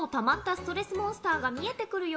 ストレスモンスターが見えてくるよ。